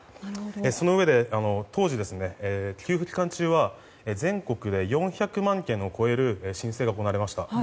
そのうえで、当時給付期間中は全国で４００万件を超える申請が行われました。